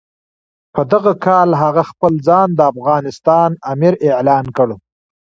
په دغه کال هغه خپل ځان د افغانستان امیر اعلان کړ.